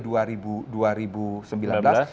di dalam sampai dengan april dua ribu sembilan belas